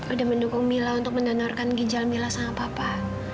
udah mendukung mila untuk mendonorkan ginjal mila sama papa